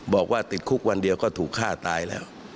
บอกว่าติดคุกวันเดียวก็ถูกฆ่าตายแล้ว